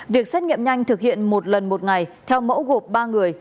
việc xét nghiệm nhanh thực hiện một lần một ngày theo mẫu gộp ba người